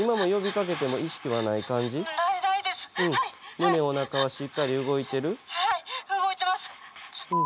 胸おなかはしっかり動いてる？